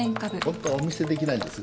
ホントはお見せできないんですがね